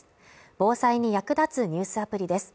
防災に役立つニュースアプリです